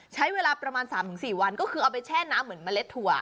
ใช้เวลาประมาณ๓๔วันก็คือเอาไปแช่น้ำเหมือนเมล็ดถั่ว